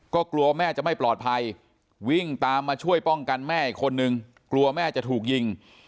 ก็กลัวแม่จะไม่ปลอดภัยวิ่งตามมาช่วยป้องกันแม่อีกคนนึงกลัวแม่จะถูกยิง